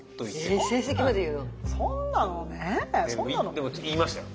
でも言いましたよ。